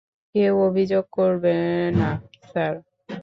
কেউ অভিযোগ করবে না, স্যার।